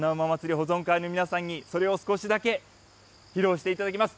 保存会の皆さんに、それを少しだけ披露していただきます。